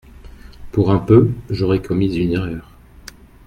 Pour un peu, j’aurais commis une erreur.